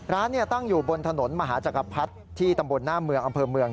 ร้านตั้งอยู่บนถนนมหาจักรพรรดิที่ตำบลหน้าเมืองอำเภอเมือง